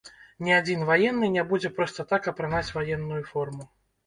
Ні адзін ваенны не будзе проста так апранаць ваенную форму.